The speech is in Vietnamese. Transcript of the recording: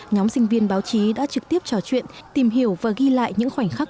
nhóm sinh viên báo chí đã trực tiếp trò chuyện tìm hiểu và ghi lại những khoảnh khắc